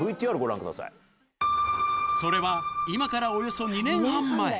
それは今からおよそ２年半前。